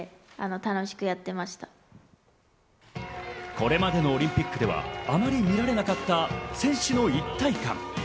これまでのオリンピックではあまり見られなかった選手の一体感。